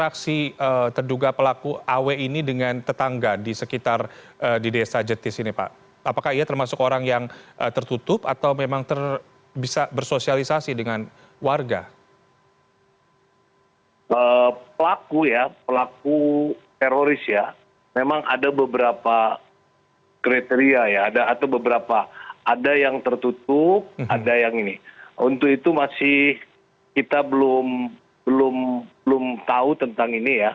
kami akan mencari penangkapan teroris di wilayah hukum sleman